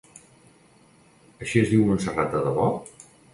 Així es diu Montserrat de debò?